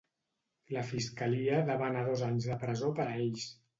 La Fiscalia demana dos anys de presó per a ells.